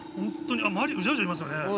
周りうじゃうじゃいますよね。